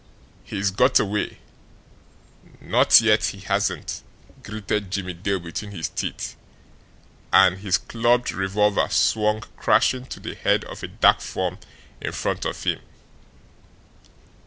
"He's got away!" "Not yet, he hasn't!" gritted Jimmie Dale between his teeth, and his clubbed revolver swung crashing to the head of a dark form in front of him.